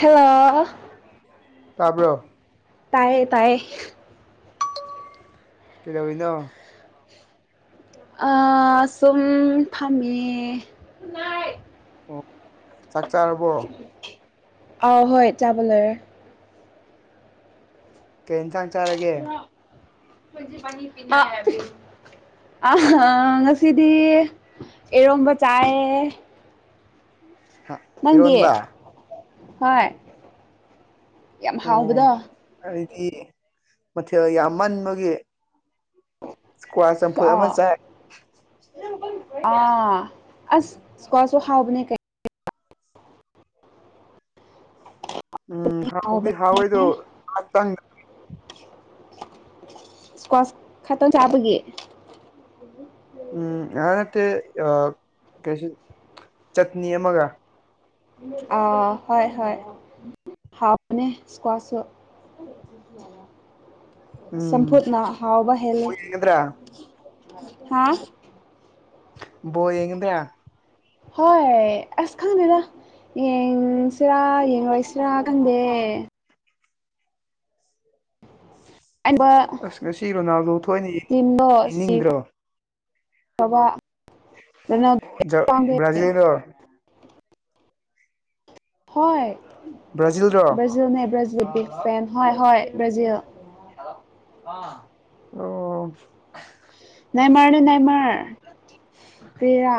hello ꯇꯥꯕ꯭ꯔꯣ ꯇꯥꯏꯌꯦ ꯇꯥꯌꯦ ꯀꯩꯗꯧꯔꯤꯅꯣ ꯑ ꯁꯨꯝ ꯐꯥꯝꯃꯦꯌꯦ ꯑꯣ ꯆꯥꯛ ꯆꯥꯔꯕꯣ ꯑꯥꯎ ꯍꯣꯏ ꯆꯥꯕ ꯂꯣꯏꯔꯦ ꯀꯩ ꯌꯦꯟꯁꯥꯡ ꯆꯥꯔꯒꯦ ꯀ ꯄꯅꯤꯤ [unintelligible] ꯉꯁꯤꯗꯤ ꯏꯔꯣꯝꯕ ꯆꯥꯏꯌꯦ ꯍꯥ [unintelligible] ꯅꯪꯗꯤ ꯍꯣꯏ ꯌꯥꯝ ꯍꯥꯎꯕꯗꯣ ꯍꯥꯏꯗꯤ ꯃꯊꯦꯜ ꯌꯥꯝꯃꯟꯕꯒꯤ ꯑꯃ ꯑ ꯆꯥꯏ ꯑ ꯑꯁ ꯏꯁꯀꯁꯨꯣ ꯍꯥꯥꯎꯕꯅꯦ ꯀꯩ ꯎꯝ ꯍꯥꯎꯗꯤ ꯍꯥꯎꯕꯅꯦ ꯍꯥꯎꯋꯏꯗꯣ ꯉꯇꯪ ꯏꯁꯀ꯭ꯋꯥꯁ ꯈꯇꯝ ꯆꯥꯕꯒꯦ ꯎꯝ ꯑꯍ ꯅꯠꯇꯦ ꯀꯩꯁꯤ ꯆꯠꯅꯤ ꯑꯃꯒ ꯑ ꯍ ꯍ ꯍꯅꯦ ꯁꯀ ꯌꯥ ꯎꯝ ꯁꯄꯠꯅ ꯍꯥꯎꯕ ꯍꯦꯂ ꯕꯣꯜ ꯌꯦꯡꯒꯗ꯭ꯔꯥ ꯍꯥ ꯌꯦ ꯀꯗ ꯍꯣꯏ ꯑꯁ ꯈꯪꯗꯥ ꯌꯦꯡꯁꯤꯔꯥ ꯌꯦꯡꯔꯣꯏꯁꯤꯔꯥ ꯈꯪꯗꯦ ꯑꯕ ꯑꯁ ꯉꯁꯤ ꯔꯣꯅꯥꯜꯗꯣ ꯊꯣꯏꯅ ꯌꯦꯡꯅꯤꯡꯗ꯭ꯔꯣ ꯊꯕꯥꯅ ꯖ ꯕ꯭ꯔꯥꯖꯤꯜꯔꯣ ꯍ ꯕ꯭ꯔꯥꯖꯤꯜꯔꯣ ꯕ꯭ꯔꯥꯖꯤꯜꯅꯦ ꯭ꯔꯖꯤꯜ ꯕꯤꯒ ꯐꯦꯟ ꯍꯣꯏ ꯍꯣꯏ ꯕ꯭ꯔꯖꯤꯜ ꯑꯥ ꯅꯅꯥꯃꯔꯅꯦ ꯅꯏꯃꯔ ꯀꯦꯔꯥ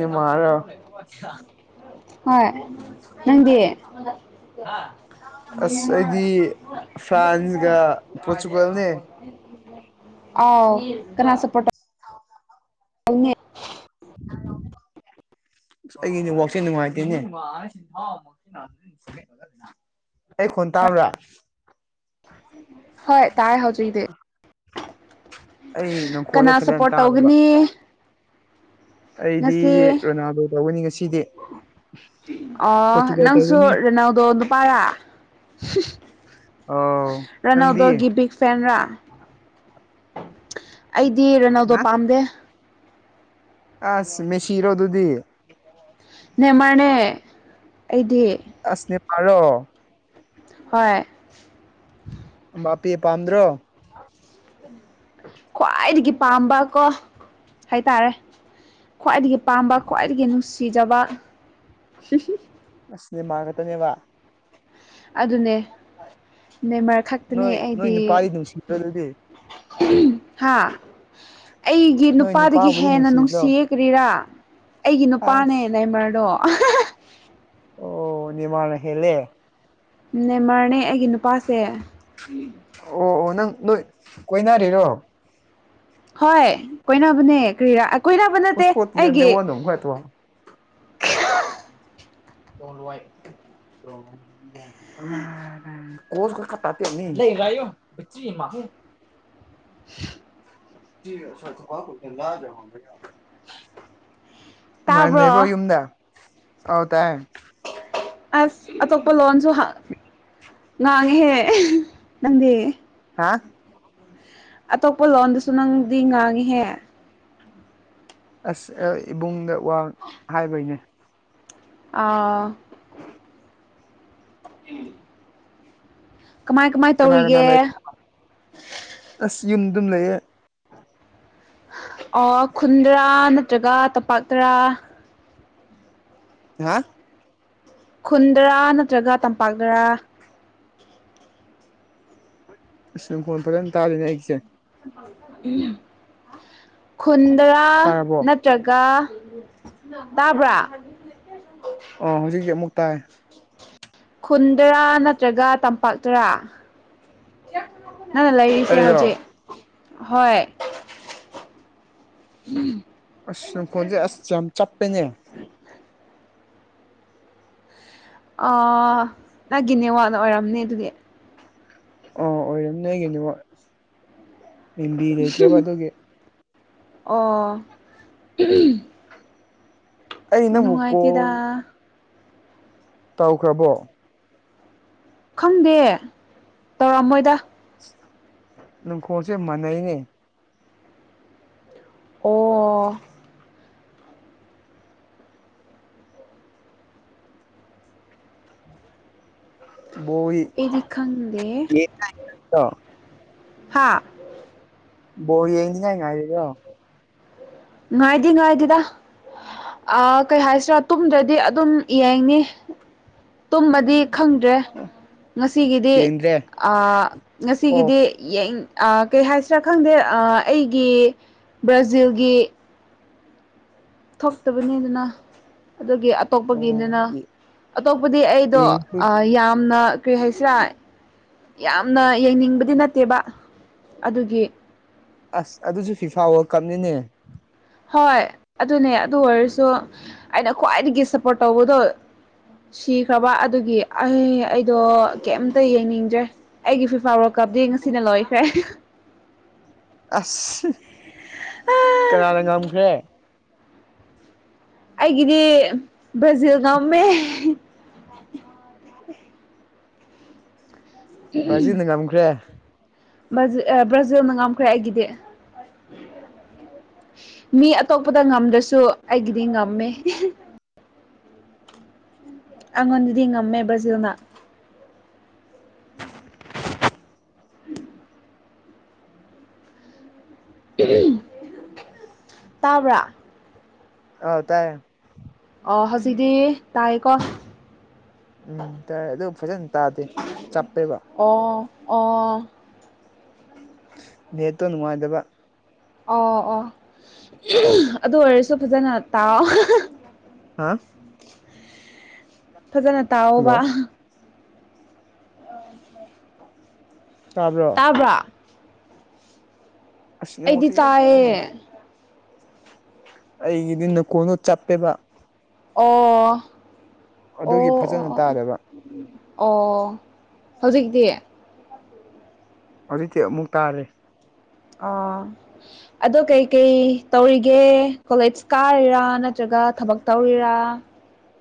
ꯃꯔꯣ ꯍꯣꯏ ꯅꯪꯗꯤ ꯑꯁ ꯑꯩꯗꯤ ꯐ꯭ꯔꯥꯟꯁꯒ ꯄꯣꯔꯆꯨꯒꯜꯅꯦ ꯑ ꯀꯅꯥ ꯁꯄꯣ ꯑ ꯐꯉ ꯍꯂ ꯑꯁ ꯑꯩꯒꯤꯅꯦ ꯋꯥꯛꯆꯦꯜ ꯅꯨꯡꯉꯥꯏꯇꯦꯅꯦ ꯑꯦ ꯈꯟ ꯇ ꯑꯃꯔ ꯍꯣꯏ ꯇꯥꯏ ꯍꯧꯖꯣꯏꯗꯦ ꯑꯩ ꯀꯅꯥ ꯅꯪꯈꯣꯟꯗꯦ ꯐꯖꯅ ꯁꯞꯄꯣꯔꯠ ꯇꯥꯗꯕ ꯇꯧꯒꯅꯤ ꯑꯩꯗꯤ ꯉꯁꯤ ꯔꯣꯅꯥꯜꯗꯣ ꯇꯧꯒꯅꯤ ꯉꯁꯤꯗꯤ ꯑ ꯄꯣꯔꯆꯨꯒꯜ ꯅꯪꯁꯨ ꯇꯧꯒꯅꯤ ꯔꯦꯅꯥꯎꯗꯣ ꯅꯨꯄꯥꯔꯥ ꯑꯧ ꯅꯪꯗꯤ ꯔꯅꯥꯎꯗꯣꯒꯤ ꯒꯤꯕꯤꯒ ꯐꯦꯟ ꯔꯥ ꯑꯩꯗꯤ ꯔꯅꯥꯜꯗꯣ ꯄꯥꯝꯗꯦ ꯑꯁ ꯃꯦꯁꯤꯔꯣ ꯑꯗꯨꯗꯤ ꯅꯦꯃꯅꯦ ꯑꯩꯗꯤ ꯑꯁꯅꯤꯕꯔꯣ ꯍꯣꯏ ꯕꯥꯄꯤꯤ ꯄꯥꯟꯗ꯭ꯔꯣ ꯀ ꯈ꯭ꯋꯥꯏꯗꯒꯤ ꯄꯥꯝꯕ ꯀꯣ ꯍꯥꯏꯇꯥꯔꯦ ꯈ꯭ꯋꯥꯏꯗꯒꯤ ꯄꯥꯝꯕ ꯈ꯭ꯋꯥꯏꯗꯒꯤ ꯅꯨꯡꯁꯤꯖꯕ ꯑꯁꯅꯦ ꯃꯥꯒꯇꯅꯦꯕ ꯑꯗꯨꯅꯦ ꯅꯦꯃꯔ ꯈꯛꯇꯅꯦ ꯅꯣꯏ ꯅꯣꯏ ꯑꯩꯗꯤ ꯅꯨꯄꯥꯗꯤ ꯅꯨꯡꯁꯤꯗ꯭ꯔꯣ ꯑꯗꯨꯗꯤ ꯍꯥ ꯑꯩꯒꯤ ꯅꯣꯏ ꯅꯨꯄꯥꯗꯒꯤ ꯅꯨꯄꯥꯕꯨꯗꯤ ꯍꯦꯟꯅ ꯅꯨꯡꯁꯤꯗ꯭ꯔꯣ ꯅꯨꯡꯁꯤ ꯀꯔꯤꯔꯥ ꯑꯩꯒꯤ ꯅꯨꯄꯥꯅꯦ ꯑꯁ ꯅꯏꯃꯔꯗꯣ ꯑꯣ ꯅꯤꯡꯃꯅ ꯍꯦꯂꯦ ꯅꯦꯃꯔꯅꯦ ꯑꯩꯒꯤ ꯅꯨꯄꯥꯁꯦ ꯑꯣ ꯑꯣ ꯅꯪꯣꯏ ꯀꯣꯏꯅꯔꯤꯔꯣ ꯍꯣꯏ ꯀꯣꯏꯅꯕꯅꯦ ꯀꯔꯤꯔ ꯍꯨꯁꯄꯣꯇꯤ ꯅ ꯋꯥꯅꯣ ꯉꯥꯏꯇꯣ ꯇꯣ ꯀ ꯂꯩꯣ [inaudible] [inaudible] ꯁ ꯊꯗꯖꯒꯦ ꯌꯥ [inaudible] ꯅꯨꯉꯥꯏꯅ ꯇꯥꯕ꯭ꯔꯣ ꯂꯩꯕ꯭ꯔꯣ ꯌꯨꯝꯗ ꯑꯥꯎ ꯇꯥꯏ ꯑꯁ ꯑꯇꯣꯞꯄ ꯂꯣꯟꯁꯨ ꯉꯥꯡꯉꯦꯍꯦ ꯅꯪꯗꯤ ꯍꯥ ꯑꯇꯣꯄ ꯂꯣ ꯅꯪꯗꯤ ꯉꯥꯡꯉꯤꯍꯦ ꯑꯁꯗ ꯏꯕꯨꯡꯗ ꯋꯥ ꯍꯥꯏꯕꯩꯅꯦ ꯑꯥꯎ ꯎꯝ ꯀꯃꯥꯏ ꯀꯃꯥꯏ ꯀꯅꯥ ꯀꯅꯥ ꯂꯩꯕ ꯑꯁ ꯌꯨꯝꯗꯨꯝ ꯂꯩꯌꯦ ꯑꯣ ꯈꯨꯟꯗꯔꯥ ꯅꯠꯇ꯭ꯔꯒ ꯇꯝꯄꯥꯛꯇꯔꯥ ꯍꯥ ꯈꯨꯟꯗꯔꯥ ꯅꯠꯇ꯭ꯔꯒ ꯇꯝꯄꯥꯛꯇꯔꯥ ꯏꯁ ꯅꯈꯣꯟ ꯐꯖꯅ ꯇꯥꯗꯦꯅꯦ ꯑꯩꯁꯦ ꯈꯨꯨꯟꯗ꯭ꯔꯥ ꯅꯠ ꯇꯥꯔꯕꯣ ꯅꯠꯇ꯭ꯔꯒ ꯇꯥꯕ꯭ꯔꯥ ꯑꯣ ꯍꯧꯖꯤꯛꯀꯤ ꯑꯃꯨꯛ ꯇꯥꯏ ꯈꯨꯟꯗꯔꯥ ꯅꯠꯇ꯭ꯔꯒ ꯇꯝꯄꯥꯛꯇꯔꯥ ꯅꯪꯅ ꯂꯩꯔꯤ ꯑꯩ ꯑꯩꯔꯣ ꯍꯧꯖꯤꯛ ꯍꯣꯏ ꯑꯁ ꯅꯈꯣꯟꯁꯦ ꯑꯁ ꯌꯥꯝ ꯆꯞꯄꯦꯅꯦ ꯑꯥ ꯅꯪꯒꯤ ꯅꯦꯋꯥꯛꯅ ꯑꯣꯏꯔꯝꯅꯦ ꯑꯗꯨꯗꯤ ꯑꯣ ꯑꯣꯏꯔꯝꯅꯦ ꯀꯩꯅꯕ ꯌꯤꯕꯤ ꯂꯩꯇ꯭ꯔꯦꯕ ꯑꯗꯨꯒꯤ ꯑꯣ ꯑꯩ ꯅꯪꯕꯨ ꯀꯣ ꯅꯨꯡꯉꯥꯏꯇꯦꯗ ꯇꯧꯈ꯭ꯔꯥꯕꯣ ꯈꯪꯗꯦ ꯇꯧꯔꯝꯃꯣꯏꯗ ꯅꯈꯣꯁꯦ ꯃꯥꯅꯩꯅꯦ ꯑꯣ ꯑꯣ ꯏ ꯑꯩꯗꯤ ꯈꯪꯗꯦ ꯌꯦꯡꯗ꯭ꯔꯣ ꯍꯥ ꯕꯣꯜ ꯌꯦꯡꯅꯤꯡ ꯉꯥꯏ ꯉꯥꯏꯔꯤꯕ꯭ꯔꯥ ꯉꯥꯏꯗꯤ ꯉꯥꯏꯗꯦꯗꯑꯥ ꯀꯩ ꯍꯥꯏꯁꯤꯔꯥ ꯇꯨꯝꯗ꯭ꯔꯗꯤ ꯑꯗꯨꯝ ꯌꯦꯡꯅꯤ ꯇꯨꯝꯃꯗꯤ ꯈꯪꯗ꯭ꯔꯦ ꯉꯁꯤꯒꯤꯗꯤ ꯌꯦꯡꯗ꯭ꯔꯦ ꯑꯥ ꯉꯁꯤꯒꯤꯗꯤ ꯑꯣꯐ ꯀꯩ ꯍꯥꯏꯁꯤꯔꯥ ꯈꯪꯗꯦ ꯑꯩꯒꯤ ꯕ꯭ꯔꯥꯖꯤꯜꯒꯤ ꯊꯣꯛꯇꯕꯅꯤꯅ ꯑꯗꯨꯒꯤ ꯑꯇꯣꯞꯄꯒꯤꯅꯤꯅ ꯑꯣ ꯑꯇꯣꯞꯄꯗꯤ ꯌꯦꯡꯕ ꯑꯩꯗꯣꯑꯥ ꯌꯥꯝꯅ ꯀꯩ ꯍꯥꯏꯁꯤꯔꯥ ꯌꯥꯝꯅ ꯌꯦꯡꯅꯤꯡꯕꯗꯤ ꯅꯠꯇꯦꯕ ꯑꯗꯨꯒꯤ ꯑꯁ ꯑꯗꯨꯁꯨ ꯐꯤꯐꯥ ꯋꯥꯜ ꯀꯞꯅꯤꯅꯦ ꯍꯣꯏ ꯑꯗꯨꯅꯦ ꯑꯗꯨ ꯑꯣꯏꯔꯁꯨ ꯑꯩꯅ ꯈ꯭ꯋꯥꯏꯗꯒꯤ ꯁꯞꯄꯣꯔꯠ ꯇꯧꯕꯗꯣ ꯁꯤꯈ꯭ꯔꯕ ꯑꯗꯨꯒꯤ ꯑꯩ ꯑꯩꯗꯣ ꯀꯩꯝꯇ ꯌꯦꯡꯅꯤꯡꯗ꯭ꯔꯦ ꯑꯩꯒꯤ ꯐꯤꯐꯥ ꯀꯞꯗꯤ ꯉꯁꯤꯅ ꯂꯣꯏꯈ꯭ꯔꯦ ꯑꯁ ꯀꯅꯥꯅ ꯉꯝꯈ꯭ꯔꯦ ꯑꯩꯒꯤꯗꯤ ꯕ꯭ꯔꯥꯖꯤꯜ ꯉꯝꯃꯦ ꯕ꯭ꯥꯔꯖꯤꯜꯅ ꯉꯝꯈ꯭ꯔꯦ ꯕ꯭ꯔꯥꯖꯤꯜ ꯕ꯭ꯔꯥꯖꯤꯜꯅ ꯉꯝꯈ꯭ꯔꯦ ꯑꯩꯒꯤꯗꯤ [inaudible] ꯃꯤ ꯑꯇꯣꯞꯄꯗ ꯉꯝꯗ꯭ꯔꯁꯨ ꯑꯩꯒꯤꯗꯤ ꯉꯝꯃꯦ ꯑꯩꯉꯣꯟꯗꯗꯤ ꯉꯝꯃꯦ ꯕ꯭ꯔꯓꯤꯜꯅ ꯍꯨꯝ ꯇꯥꯕ꯭ꯔꯥ ꯑ ꯇꯥꯏꯌꯦ ꯑ ꯍꯧꯖꯤꯛꯗꯤ ꯇꯥꯏꯌꯦꯀꯣ ꯎꯝ ꯇꯥꯏꯌꯦ ꯑꯗꯨꯕꯨ ꯐꯖꯅ ꯇꯥꯗꯦ ꯆꯞꯄꯒ ꯑꯥ ꯑꯥ ꯅꯦꯠꯇꯣ ꯅꯨꯡꯉꯥꯏꯇꯕ ꯑꯣ ꯑꯣ ꯑꯗꯨ ꯑꯣꯏꯔꯁꯨ ꯐꯖꯅ ꯇꯥꯋꯣ ꯍꯥ ꯐꯖꯅ ꯍꯜꯂꯣ ꯇꯥꯎꯑꯣꯕ ꯑꯣ ꯇꯥꯕ꯭ꯔꯣ [unintelligible] ꯑꯁ ꯑꯩꯗꯤ ꯅꯦꯠꯋꯥꯛꯁꯦ ꯌꯥꯝ ꯅꯨꯡꯉꯥꯏ ꯇꯥꯏꯌꯦ ꯑꯩꯒꯤꯗꯤ ꯅꯈꯣꯟꯗꯣ ꯆꯞꯄꯦꯕ ꯑꯣ ꯑꯣ ꯑꯗꯨꯒꯤ ꯐꯖꯅ ꯑꯣ ꯇꯥꯗꯕ ꯑꯣ ꯍꯧꯖꯤꯛꯇꯤ ꯑꯃꯨꯛ ꯇꯥꯔꯦ ꯑꯣ ꯑꯗꯣ ꯀꯩ ꯀꯩ ꯇꯧꯔꯤꯒꯦ ꯀꯣꯂꯦꯖ ꯀꯥꯔꯤꯔꯥ ꯅꯠꯇ꯭ꯔꯒ ꯊꯕꯛ ꯇꯧꯔꯤꯔꯥ [unintelligible] [unintelligible]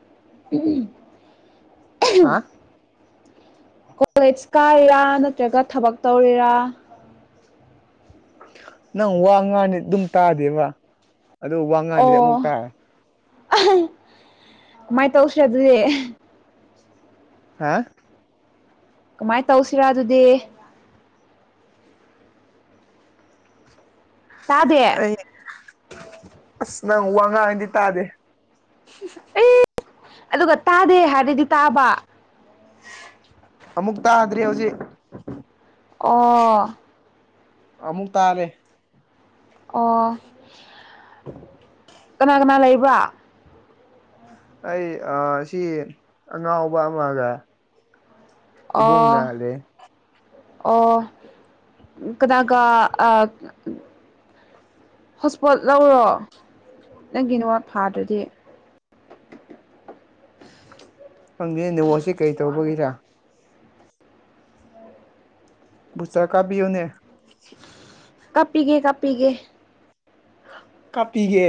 ꯎꯝ ꯍꯥ ꯀꯣꯂꯦꯖ ꯀꯥꯔꯤꯔꯥ ꯅꯠꯇ꯭ꯔꯒ ꯊꯕꯛ ꯇꯧꯔꯤꯔꯥ ꯅꯪ ꯋꯥ ꯉꯥꯡꯉꯗꯤ ꯑꯗꯨꯝ ꯇꯥꯗꯦꯕ ꯑꯗꯨ ꯋꯥ ꯉꯥꯡꯗ꯭ꯔꯗꯤ ꯑꯃꯨꯛ ꯇꯥꯌꯦ ꯀꯃꯥꯏ ꯇꯧꯁꯦꯔꯥ ꯑꯗꯨꯗꯤ ꯑꯍ ꯀꯃꯥꯏ ꯇꯧꯁꯤꯔꯥ ꯑꯗꯨꯗꯤ ꯇꯥꯗꯦ ꯑꯩ ꯑꯁ ꯅꯪ ꯋꯥ ꯉꯥꯡꯗꯤ ꯇꯥꯗꯦ ꯑꯦ ꯑꯗꯨꯒ ꯇꯥꯗꯦ ꯍꯥꯏꯔꯗꯤ ꯇꯥꯕ ꯑꯃꯨꯛ ꯇꯥꯗ꯭ꯔꯦ ꯍꯧꯖꯤꯛ ꯑꯣ ꯑꯃꯨꯛ ꯇꯥꯔꯦ ꯑꯣ ꯀꯅꯥ ꯀꯅꯥ ꯂꯩꯕ꯭ꯔꯥ ꯑꯩ ꯑꯁꯤ ꯑꯉꯥꯎꯕ ꯑꯃꯒ ꯑꯣ ꯏꯕꯨꯡꯒ ꯂꯩ ꯑꯣ ꯀꯅꯥꯒ ꯑ ꯍꯣꯁꯄꯣꯠ ꯂꯧꯔꯣ ꯅꯪꯒꯤꯗꯃꯛ ꯐꯗ꯭ꯔꯗꯤ ꯅꯪ ꯅꯦꯠꯋꯔꯛꯁꯤ ꯀꯔꯤ ꯇꯧꯕꯒꯤꯔꯥ ꯀꯥꯞꯕꯤꯌꯣꯅꯦ ꯀꯥꯞꯄꯤꯒꯦ ꯀꯥꯞꯄꯤꯒꯦ ꯀꯥꯞꯄꯤꯒꯦ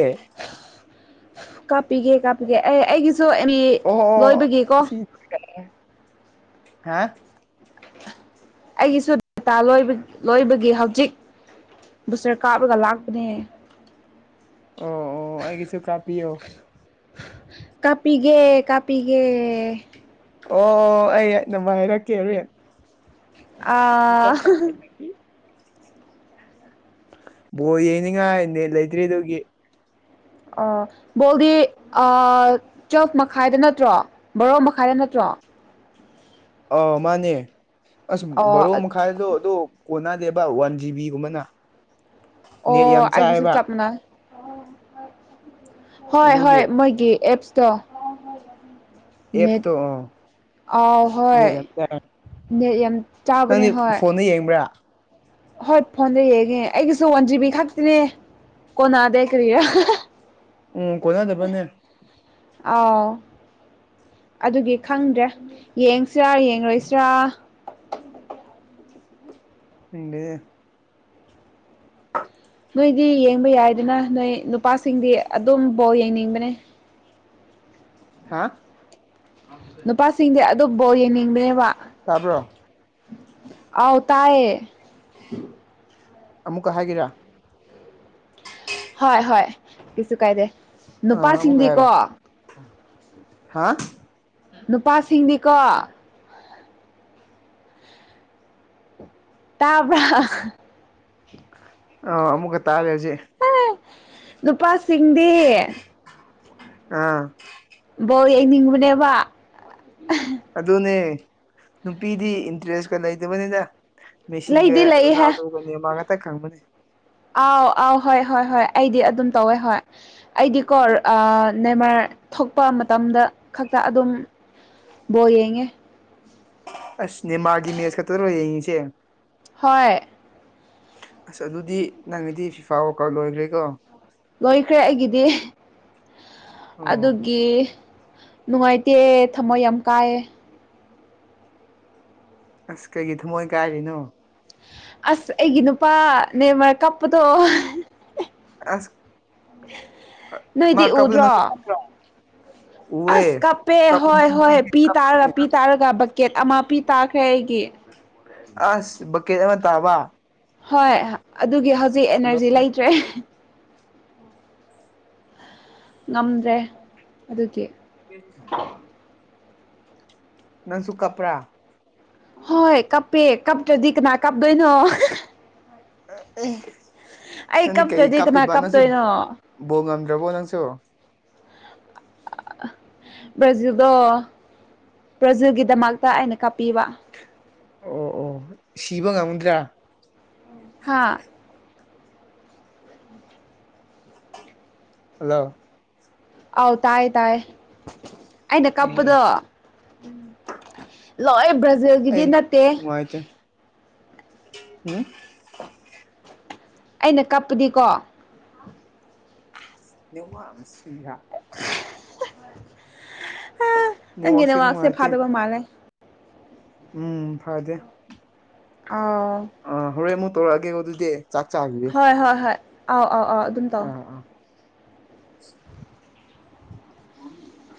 ꯀꯥꯞꯄꯤꯒꯦ ꯀꯥꯞꯄꯤꯒꯦ ꯑꯦ ꯑꯩꯒꯤꯁꯨ ꯑꯦꯝꯕꯤ ꯑꯣ ꯂꯣꯏꯕꯒꯤꯀꯣ ꯑꯁꯤ ꯍꯥ ꯑꯩꯒꯤꯁꯨ ꯗꯇꯥ ꯂꯣꯏꯕꯒꯤ ꯍꯧꯖꯤꯛ ꯕꯨꯁꯇꯔ ꯀꯥꯞꯂꯒ ꯂꯥꯛꯄꯅꯦ ꯑꯣ ꯑꯣ ꯑꯩꯒꯤꯁꯨ ꯀꯥꯄꯤꯌꯣ ꯀꯥꯞꯄꯤꯒꯦ ꯀꯥꯞꯄꯤꯒꯦ ꯑꯣ ꯑꯩꯥ [unintelligible] ꯍꯥꯏꯔꯛꯀꯦ ꯔꯦꯟ ꯑꯥ ꯕꯣ ꯌꯦꯡꯅꯤꯡꯉꯥꯏꯅꯦ ꯂꯩꯇ꯭ꯔꯤ ꯑꯗꯨꯒꯤ ꯑ ꯕꯣꯜꯗꯤ ꯑ ꯆꯞ ꯃꯈꯥꯏꯗ ꯅꯠꯇ꯭ꯔꯣ ꯕꯣꯔꯣ ꯃꯈꯥꯏꯗ ꯅꯠꯇ꯭ꯔꯣ ꯑ ꯃꯥꯅꯦ ꯑꯁ ꯑꯣ ꯕꯔꯣ ꯃꯈꯥꯏꯗꯣ ꯑꯗꯨ ꯀꯣꯟꯅꯗꯦꯕ ꯋꯥꯟ ꯖꯤꯕꯤꯒꯨꯝꯕꯅ ꯅꯦꯠ ꯑꯣ ꯌꯥꯝ ꯑꯩꯒꯤꯁꯨ ꯆꯥꯏꯑꯕ ꯆꯞ ꯃꯥꯟꯅꯩ ꯍꯣꯏ ꯍꯣꯏ ꯑꯗꯨꯒꯤ ꯃꯣꯏꯒꯤ ꯑꯦꯞꯁꯇꯣ ꯅꯦꯠ ꯑꯦꯞꯇꯣ ꯑꯣ ꯑꯥꯎ ꯍꯣꯏ ꯅꯦꯠ ꯌꯥꯝ ꯆꯥꯕꯅꯦ ꯅꯪꯗꯤ ꯐꯣꯟꯗ ꯌꯦꯡꯕ꯭ꯔꯥ ꯍꯣꯏꯠ ꯐꯣꯟꯗ ꯌꯦꯡꯉꯦ ꯑꯩꯒꯤꯁꯨ ꯋꯥꯟ ꯖꯤꯕꯤ ꯈꯛꯇꯤꯅꯦ ꯀꯣꯅꯥꯗꯦ ꯀ꯭ꯔꯔꯤꯌꯥꯟ ꯎꯝ ꯀꯣꯟꯅꯗꯕꯅꯦ ꯑꯥꯎ ꯑꯗꯨꯒꯤ ꯈꯪꯗ꯭ꯔꯦ ꯌꯦꯡꯁꯤꯔꯥ ꯌꯦꯡꯔꯣꯏꯁꯤꯔꯥ ꯈꯪꯗꯦꯍꯦ ꯅꯣꯏꯗꯤ ꯌꯦꯡꯕ ꯌꯥꯏꯗꯅ ꯅꯣꯏ ꯅꯨꯄꯥꯁꯤꯡꯗꯤ ꯑꯗꯨꯝ ꯕꯣꯜ ꯌꯦꯡꯅꯤꯡꯕꯅꯦ ꯍꯥ ꯅꯨꯄꯥꯁꯤꯡꯗꯤ ꯑꯗꯨꯝ ꯕꯣꯜ ꯌꯦꯡꯅꯤꯡꯕꯅꯦꯕ ꯇꯥꯕ꯭ꯔꯣ ꯑꯥꯎ ꯇꯥꯏꯌꯦ ꯑꯃꯨꯛꯀ ꯍꯥꯏꯒꯦꯔꯥ ꯍꯣꯏ ꯍꯣꯏ ꯀꯩꯁꯨ ꯀꯥꯏꯗꯦ ꯑꯥ ꯑꯃꯨꯛꯀ ꯍꯥꯏꯔꯣ ꯅꯨꯄꯥꯁꯤꯡꯗꯤꯀꯣ ꯍꯥ ꯅꯨꯄꯥꯁꯤꯡꯗꯤꯀꯣ ꯇꯥꯕꯔ ꯑ ꯑꯃꯨꯛꯀ ꯇꯥꯔꯦꯁꯤ ꯅꯨꯄꯥꯁꯤꯡꯗꯤ ꯑꯥ ꯕꯣꯜ ꯌꯦꯡꯅꯤꯡꯕꯅꯦꯕ ꯑꯗꯨꯅꯦ ꯅꯨꯄꯤꯗꯤ ꯏꯟꯇꯔꯦꯁꯀ ꯂꯩꯇꯕꯅꯤꯗ ꯃꯦꯁꯤꯒ ꯂꯩꯗꯤ ꯂꯩꯍꯦ ꯔꯣꯅꯥꯜꯗꯣꯒꯅꯦꯃꯥꯡ ꯉꯥꯛꯇ ꯈꯪꯕꯅꯦ ꯑꯥꯎ ꯑꯥꯎ ꯍꯣꯏ ꯍꯣꯏ ꯍꯣꯏ ꯑꯩꯗꯤ ꯑꯗꯨꯝ ꯇꯧꯋꯦ ꯍꯣꯏ ꯑꯩꯗꯤ ꯀꯣ ꯅꯦꯃꯥꯔ ꯊꯣꯛꯄ ꯃꯇꯝꯗ ꯈꯛꯇ ꯑꯗꯨꯝ ꯕꯣꯜ ꯌꯦꯡꯉꯦ ꯑꯁ ꯅꯦꯃꯥꯔꯒꯤ ꯃꯦꯁ ꯈꯛꯇ ꯂꯣꯏ ꯌꯦꯡꯉꯁꯦ ꯍꯣꯏ ꯑꯁ ꯑꯗꯨꯗꯤ ꯅꯪꯒꯤꯗꯤ ꯐꯤꯐꯥ ꯋꯥꯀ ꯂꯣꯏꯈ꯭ꯔꯦꯀꯣ ꯂꯣꯏꯈ꯭ꯔꯦ ꯑꯩꯒꯤꯗꯤ ꯑꯣ ꯑꯗꯨꯒꯤ ꯅꯨꯡꯉꯥꯏꯇꯦ ꯊꯝꯃꯣꯏ ꯌꯥꯝ ꯀꯥꯏꯌꯦ ꯑꯁ ꯀꯩꯒꯤ ꯊꯃꯣꯏ ꯀꯥꯏꯔꯤꯅꯣ ꯑꯁ ꯑꯩꯒꯤ ꯅꯨꯄꯥ ꯅꯦ ꯃꯔ ꯀꯞꯄꯗꯣ ꯑꯁ ꯃꯥ ꯅꯣꯏꯗꯤ ꯀꯞꯄꯗꯣ ꯎꯗ꯭ꯔꯣ ꯅꯪꯁꯨ ꯀꯞꯄ꯭ꯔꯣ ꯎꯋꯦ ꯑꯁ ꯀꯞꯄꯦ ꯀꯞꯄꯨ ꯍꯣꯏ ꯍꯣꯏ ꯄꯤ ꯀꯞꯄꯅꯦ ꯇꯥꯔꯒ ꯄꯤ ꯇꯥꯔꯒ ꯕꯛꯀꯦꯠ ꯑꯃ ꯄꯤ ꯇꯥꯈ꯭ꯔꯦ ꯑꯩꯒꯤ ꯑꯁ ꯕꯛꯀꯦꯠ ꯑꯃ ꯇꯥꯕ ꯍꯣꯏ ꯑꯗꯨꯒꯤ ꯍꯧꯖꯤꯛ ꯑꯦꯅꯔꯖꯤ ꯂꯣꯏ ꯂꯩꯇ꯭ꯔꯦ ꯉꯝꯗ꯭ꯔꯦ ꯑꯗꯨꯒꯤ ꯀꯗꯤ ꯁꯪꯗꯦ ꯀ ꯅꯪꯁꯨ ꯀꯄ꯭ꯔꯥ ꯍꯣꯏ ꯀꯞꯄꯦ ꯀꯥꯞꯇ꯭ꯔꯗꯤ ꯀꯅꯥ ꯀꯥꯞꯗꯣꯏꯅꯣ ꯑꯩ ꯅꯪꯗꯤ ꯀꯩ ꯀꯞꯇ꯭ꯔꯗꯤ ꯀꯅꯥ ꯀꯥꯞꯄꯤꯕ ꯅꯪꯁꯨ ꯀꯞꯇꯣꯏꯅꯣ ꯕꯣ ꯉꯝꯗ꯭ꯔꯕꯣ ꯅꯪꯁꯨ ꯕ꯭ꯔꯖꯤꯜꯗꯣ ꯄ꯭ꯔꯖꯤꯜꯒꯤꯗꯃꯛꯇ ꯑꯩꯅ ꯀꯥꯞꯄꯤꯕ ꯑꯣ ꯑꯣ ꯁꯤꯕ ꯉꯝꯗ꯭ꯔꯥ ꯍꯥꯥ ꯍꯜꯂꯣ ꯑꯥꯎ ꯇꯥꯏ ꯇꯥꯏ ꯑꯩꯅ ꯑꯣ ꯀꯞꯄꯗꯣ ꯂꯣꯏ ꯕ꯭ꯔꯥꯖꯤꯜꯒꯤꯗꯤ ꯅꯠꯇꯦ ꯄꯥꯏꯆ ꯎꯝ ꯑꯩꯅ ꯀꯞꯄꯨꯗꯤꯀꯣ ꯅꯉꯝ ꯁꯤꯁꯤꯡꯔꯥ ꯑ ꯅꯪꯒꯤꯅꯦ ꯅꯦꯠꯋꯥꯛꯁꯦ ꯋꯥꯥꯛꯁꯦ ꯅꯨꯡꯉꯥꯏꯇꯦ ꯐꯥꯠꯇꯕ ꯃꯥꯜꯂꯦ ꯎꯝ ꯐꯗꯦ ꯑꯥ ꯑ ꯍꯣꯔꯦ ꯑꯃꯨ ꯇꯧꯔꯛꯑꯒꯦꯀ ꯑꯗꯨꯗꯤ ꯆꯥꯛ ꯆꯥꯗꯨꯗꯤ ꯍꯣꯏ ꯍꯣꯏ ꯍꯣꯏ ꯑꯥꯎ ꯑꯥꯎ ꯑꯥꯎ ꯑꯗꯨꯝ ꯇꯧ ꯑꯥ ꯍꯗ